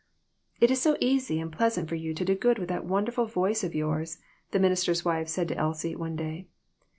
"It is so easy and pleasant for you to do good with that wonderful voice of yours," the minister's wife said to Elsie, one day.